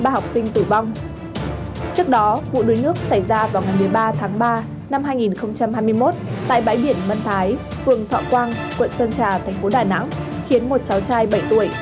họa quang quận sơn trà thành phố đà nẵng khiến một cháu trai bảy tuổi